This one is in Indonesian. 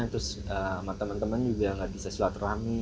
terus sama teman teman juga tidak bisa silat rahmi